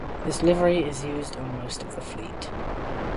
This livery is used on most of the fleet.